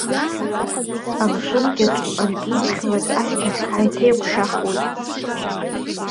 Амашьынкаҿы ианикьыԥхьлак ашьҭахь, ҳаиҭеиқәшәахуеит.